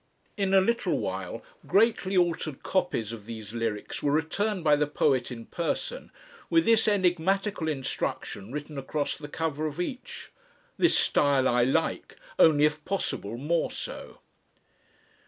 In a little while, greatly altered copies of these lyrics were returned by the poet in person, with this enigmatical instruction written across the cover of each: "This style I like, only if possible more so."